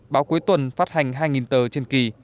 báo cuối tuần phát hành hai tờ trên kỳ